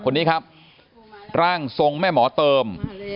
คนนี้ครับร่างทรงแม่หมอเติม